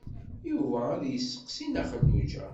Yuba ad yesteqsi Nna Xelluǧa.